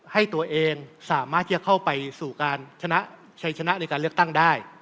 ให้ตัวเองสามารถที่จะเข้าไปสู่การชนะชัยชนะในการเลือกตั้งได้